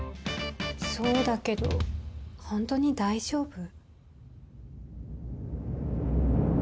そうだけどホントに大丈夫？